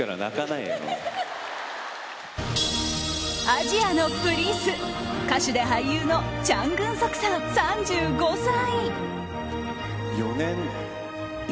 アジアのプリンス歌手で俳優のチャン・グンソクさん、３５歳。